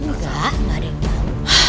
enggak enggak ada yang tahu